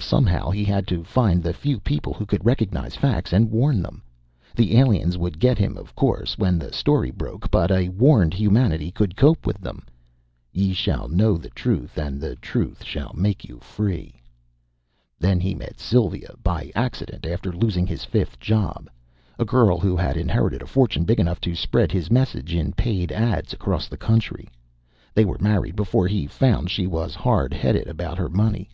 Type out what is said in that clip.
Somehow, he had to find the few people who could recognize facts and warn them. The aliens would get him, of course, when the story broke, but a warned humanity could cope with them. Ye shall know the truth, and the truth shall make you free. Then he met Sylvia by accident after losing his fifth job a girl who had inherited a fortune big enough to spread his message in paid ads across the country. They were married before he found she was hard headed about her money.